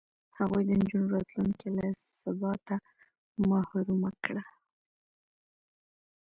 هغوی د نجونو راتلونکې له ثباته محرومه کړه.